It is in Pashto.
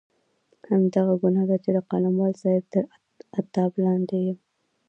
همدغه ګناه ده چې د قلموال صاحب تر عتاب لاندې یم.